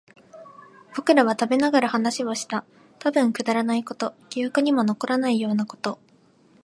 僕らは食べながら話をした。たぶんくだらないこと、記憶にも残らないようなこと。